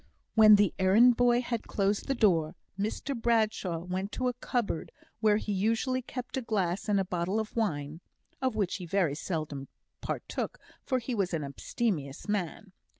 When the errand boy had closed the door, Mr Bradshaw went to a cupboard where he usually kept a glass and a bottle of wine (of which he very seldom partook, for he was an abstemious man).